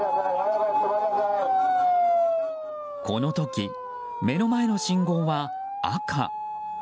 この時、目の前の信号は赤。